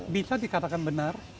bisa dikatakan benar